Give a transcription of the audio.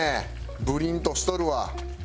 ブリンとしとるわ。